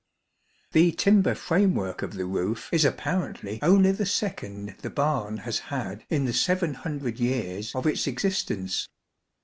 48 The timber framework of the roof is apparently only the second the barn has had in the seven hundred years of its existence.